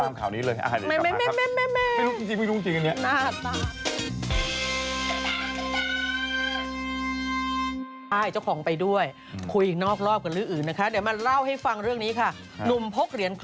ไม่ได้ตามข่าวนี้เลย